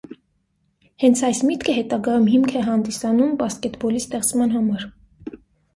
Հենց այս միտքը հետագայում հիմք է հանդիսանում բասկետբոլի ստեղծման համար։